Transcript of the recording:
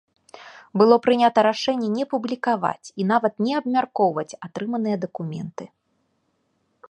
Было прынята рашэнне не публікаваць і нават не абмяркоўваць атрыманыя дакументы.